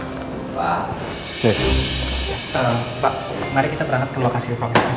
pak mari kita berangkat ke lokasi prokes